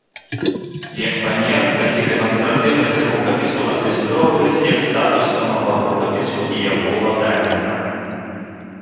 Як памер, так і дэманстратыўнасць рукапісу адлюстроўваюць як статус самога рукапісу і яго уладальніка.